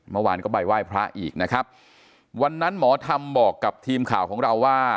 เมื่อวานก็ไปไหว้พระอีกนะครับวันนั้นหมอธรรมบอกกับทีมข่าวของเราว่า